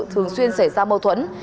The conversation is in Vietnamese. thường xuyên xảy ra mâu thuẫn